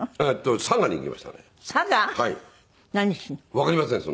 わかりません